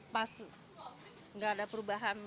pas nggak ada perubahan